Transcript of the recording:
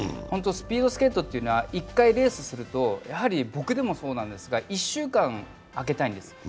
ほんとスピードスケートというのは、一回レースすると、僕でもそうなんですけれども、１週間あけたいんです。